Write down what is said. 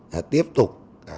là tiếp tục